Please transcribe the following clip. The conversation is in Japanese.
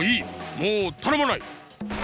もうたのまない！